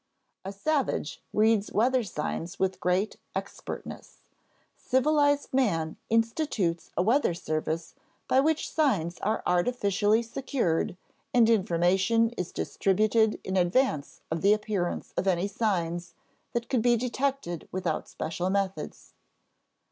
A savage reads weather signs with great expertness; civilized man institutes a weather service by which signs are artificially secured and information is distributed in advance of the appearance of any signs that could be detected without special methods.